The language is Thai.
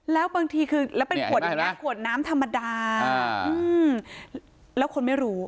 แล้วบางทีคือแล้วเป็นขวดอย่างนี้ขวดน้ำธรรมดาแล้วคนไม่รู้